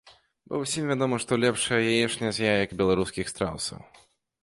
Бо ўсім вядома, што лепшая яечня з яек беларускіх страусаў.